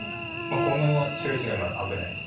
この白石が今危ないです。